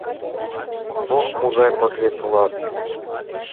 Ох, могай подлец улат!